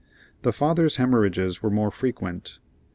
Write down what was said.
The father's hemorrhages were more frequent.